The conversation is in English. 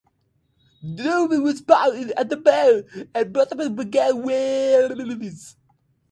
Donovan was born in Aberdare and brought up in Bridgend, Wales.